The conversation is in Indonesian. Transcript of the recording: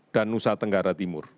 dan nusa tenggara